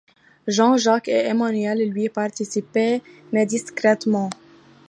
Jean-Jacques et Emmanuel-Louis y participaient, mais discrètement.